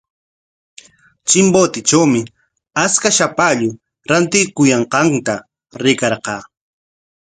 Chimbotetrawmi achka shapallu rantikuyanqanta rikarqaa.